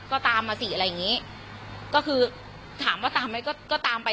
ก็ตามมาสิอะไรอย่างงี้ก็คือถามว่าตามไหมก็ก็ตามไป